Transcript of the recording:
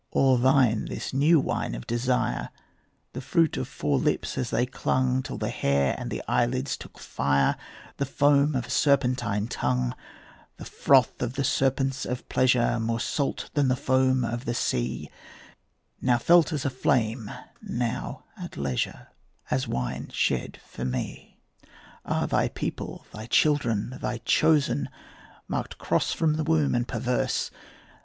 All thine the new wine of desire, The fruit of four lips as they clung Till the hair and the eyelids took fire, The foam of a serpentine tongue, The froth of the serpents of pleasure, More salt than the foam of the sea, Now felt as a flame, now at leisure As wine shed for me. Ah thy people, thy children, thy chosen, Marked cross from the womb and perverse!